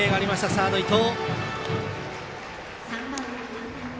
サード、伊藤。